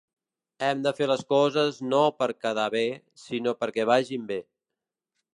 Hem de fer les coses no per quedar bé, sinó perquè vagin bé.